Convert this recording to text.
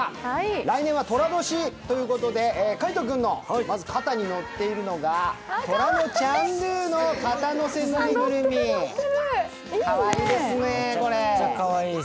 来年は寅年ということで、海音君の肩にのっているのが虎のチャンドゥ肩のせぬいぐるみかわいいですね、これ。